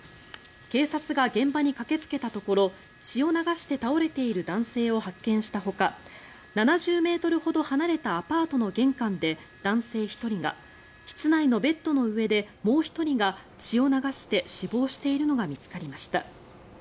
警察が現場に駆けつけたところ血を流して倒れている男性を発見したほか７０ｍほど離れたアパートの玄関で、男性１人が室内のベッドの上でもう１人が血を流して死亡しているのが見つかりました。